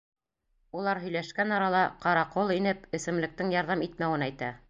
Улар һөйләшкән арала, ҡара ҡол инеп эсемлектең ярҙам итмәүен әйтә.